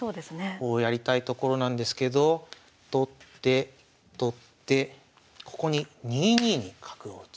こうやりたいところなんですけど取って取ってここに２二に角を打つ。